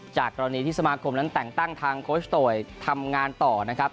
กรณีที่สมาคมนั้นแต่งตั้งทางโค้ชโตยทำงานต่อนะครับ